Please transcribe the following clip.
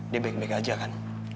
dia baik baik aja kan